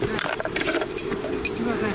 すみません。